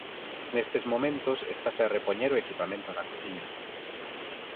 Nestes momentos estase a repoñer o equipamento da cociña.